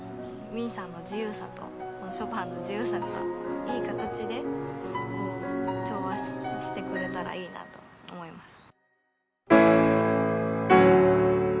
泯さんの自由さとショパンの自由さがいい形で調和してくれたらいいなと思います。